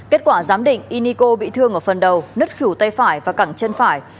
kết quả giám định y niko bị thương ở phần đầu nứt khỉu tay phải và cẳng chân phải